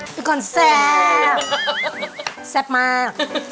แต่ก่อนแซ่บแซ่บมาก